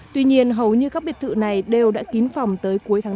tuy nhiên hầu như các biệt thự này đều đã kín phòng tới cuối tháng tám